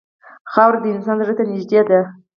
خاوره د انسان زړه ته نږدې ده.